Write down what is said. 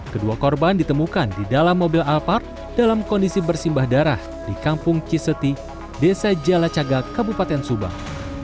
kedua korban ditemukan di dalam mobil alphard dalam kondisi bersimbah darah di kampung ciseti desa jalacaga kabupaten subang